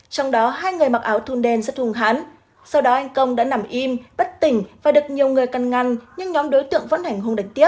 trong đó hai người mặc áo thun đen rất hùng hán sau đó anh công đã nằm im bất tỉnh và được nhiều người căn ngăn nhưng nhóm đối tượng vẫn hành hùng đánh tiếp